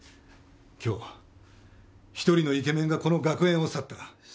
今日１人のイケメンがこの学園を去った。